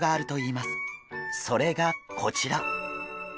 それがこちら。